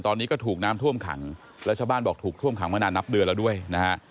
ตอนนี้ก็ถูกน้ำท่วมขังแล้วชาวบ้านบอกถูกท่วมขังมานานนับเดือนแล้วด้วยนะฮะ